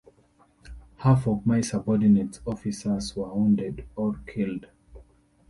Half of my subordinates officers were wounded or killed.